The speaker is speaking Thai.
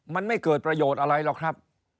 มันไม่เกิดประโยชน์อะไรหรอกครับ